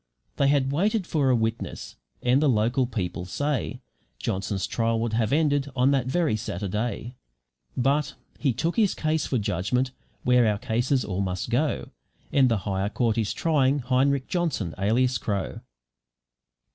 They had waited for a witness, and the local people say Johnson's trial would have ended on that very Saturday; but he took his case for judgment where our cases all must go, and the higher court is trying Heinrich Johnson (alias Crow).